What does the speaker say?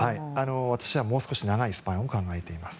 私はもう少し長いスパンを考えています。